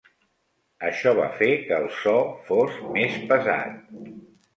Això va fer que el so fos més pesat.